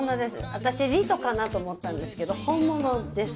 私リトかなと思ったんですけど本物です。